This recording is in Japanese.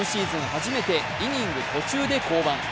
初めてイニング途中で降板。